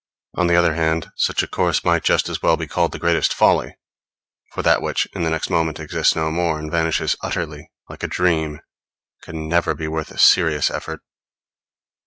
On the other hand, such a course might just as well be called the greatest folly: for that which in the next moment exists no more, and vanishes utterly, like a dream, can never be worth a serious effort.